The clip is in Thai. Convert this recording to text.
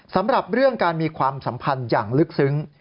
สำหรับเรื่องการมีความสัมพันธ์อย่างลึกซึ้ง